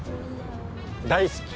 大好き。